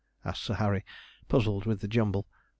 asked Sir Harry, puzzled with the jumble.